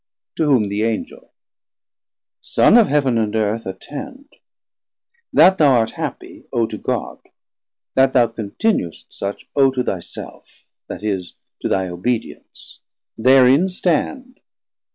To whom the Angel. Son of Heav'n and Earth, Attend: That thou art happie, owe to God; 520 That thou continu'st such, owe to thy self, That is, to thy obedience; therein stand.